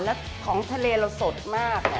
แล้วของทะเลเราสดมาก